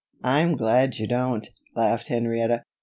"I'm glad you don't," laughed Henrietta.